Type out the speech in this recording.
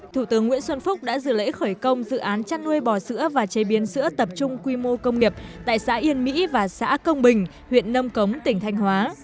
thủ tướng nguyễn xuân phúc đã dự lễ khởi công dự án chăn nuôi bò sữa và chế biến sữa tập trung quy mô công nghiệp tại xã yên mỹ và xã công bình huyện nâm cống tỉnh thanh hóa